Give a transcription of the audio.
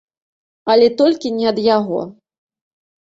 Але толькі не ад яго.